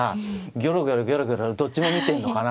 ギョロギョロギョロギョロどっちも見てんのかな。